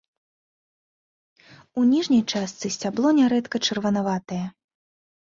У ніжняй частцы сцябло нярэдка чырванаватае.